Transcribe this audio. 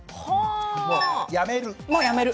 もうやめる。